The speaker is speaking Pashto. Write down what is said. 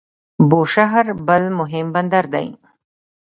بوشهر بل مهم بندر دی.